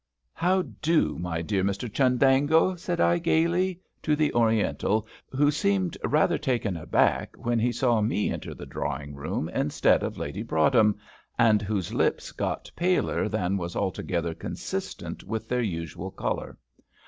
"How do, my dear Mr Chundango?" said I, gaily, to the Oriental, who seemed rather taken aback when he saw me enter the drawing room instead of Lady Broadhem, and whose lips got paler than was altogether consistent with their usual colour.